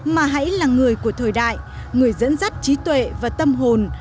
mà hãy là người của thời đại người dẫn dắt trí tuệ và tâm hồn